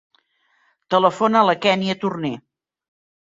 Telefona a la Kènia Torner.